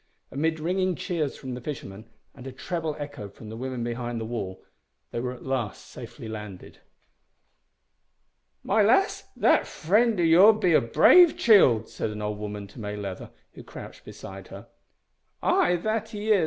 Amid ringing cheers from the fishermen and a treble echo from the women behind the wall they were at last safely landed. "My lass, that friend o' your'n be a braave cheeld," said an old woman to May Leather, who crouched beside her. "Ay, that he is!"